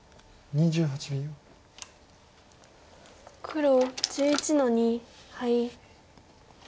黒１１の二ハイ。